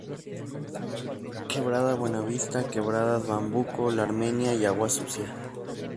Quebrada Buenavista: Quebradas Bambuco, La Armenia y Agua Sucia.